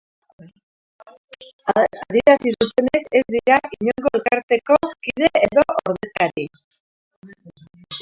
Adierazi dutenez, ez dira inongo elkarteko kide edo ordezkari.